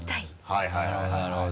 はいはい。